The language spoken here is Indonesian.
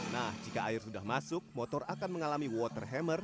nah jika air sudah masuk motor akan mengalami water hammer